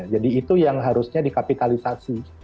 jadi itu yang harusnya dikapikalisasi